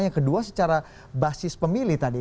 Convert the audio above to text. yang kedua secara basis pemilih tadi